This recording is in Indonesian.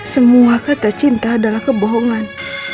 semua kata cinta adalah kebohongan